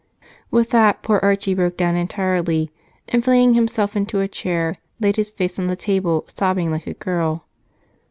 With that, poor Archie broke down entirely and, flinging himself into a chair, laid his face on the table, sobbing like a girl.